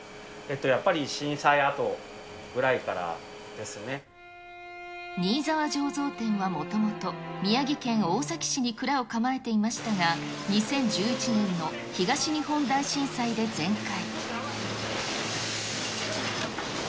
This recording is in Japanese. やっぱり震災あとぐらいから新澤醸造店はもともと、宮城県大崎市に蔵を構えていましたが、２０１１年の東日本大震災で全壊。